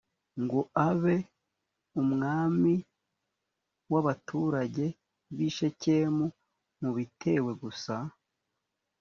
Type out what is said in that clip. ngo abe umwamig w’abaturage b’i shekemu mubitewe gusa